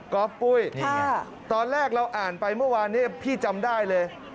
ก็ปุ้ยตอนแรกเราอ่านไปเมื่อวานนี้พี่จำได้เลย